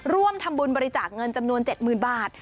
ร่วมทำบุญบริจาคเงินจำนวน๗๐๐๐บาท